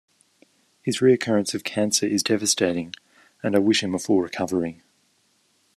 His reoccurrence of cancer is devastating and I wish him a full recovery.